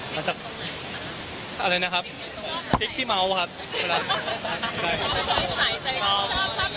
หลังจากอะไรนะครับพลิกที่เมาส์ครับ